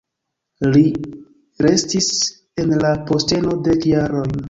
Li restis en la posteno dek jarojn.